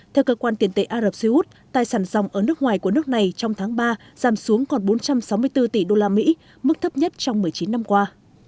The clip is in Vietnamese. theo cơ quan tiền tệ ả rập xê út tài sản dòng ở nước ngoài của nước này trong tháng ba giảm xuống còn bốn trăm sáu mươi bốn tỷ usd mức thấp nhất trong một mươi chín năm qua